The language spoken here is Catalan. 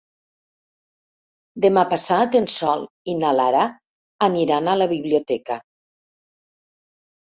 Demà passat en Sol i na Lara aniran a la biblioteca.